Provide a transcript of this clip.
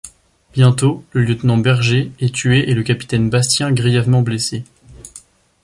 Bientôt, le lieutenant Berger est tué et le capitaine Bastien grièvement blessé.